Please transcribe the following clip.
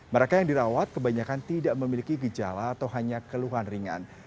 mereka yang dirawat kebanyakan tidak memiliki gejala atau hanya keluhan ringan